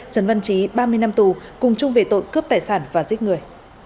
trấn văn trí ba mươi năm tù cùng chung về tội cướp tài sản và giết người